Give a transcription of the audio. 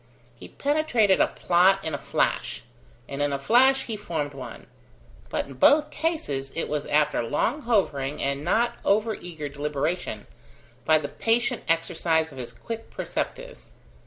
He penetrated a plot in a flash; and in a flash he formed one; but in both cases, it was after long hovering and not over eager deliberation, by the patient exercise of his quick perceptives.